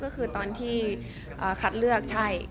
ก็คือตอนที่คัดเลือกใช่